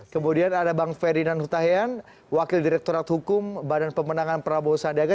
kemudian ada bang ferdinand hutahian wakil direkturat hukum badan pemenangan prabowo sandiaga